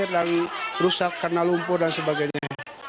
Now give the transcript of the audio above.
dan rusak karena lumpur dan sebagainya